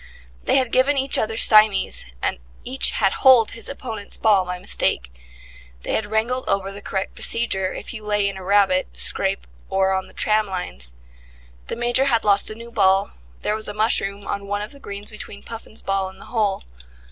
They had given each other stymies, and each had holed his opponent's ball by mistake; they had wrangled over the correct procedure if you lay in a rabbit scrape or on the tram lines: the Major had lost a new ball; there was a mushroom on one of the greens between Puffin's ball and the hole.